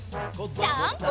ジャンプ！